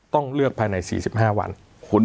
ต้องเลือกภายในสี่สิบห้าวันคุณไม่มีบวกหกสิบวันละ